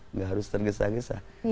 nggak harus tergesa gesa